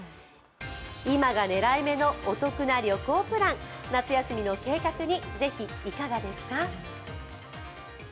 今が狙い目のお得な旅行プラン夏休みの計画に、ぜひいかがですか。